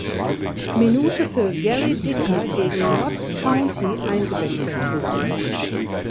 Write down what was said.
Minute für Gary Dicker gegen Notts County eingewechselt wurde.